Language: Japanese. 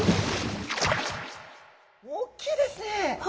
おっきいですね。